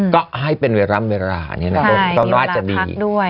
ก็ให้เป็นเวลาลำเป็นเวลาคารวาสจะดี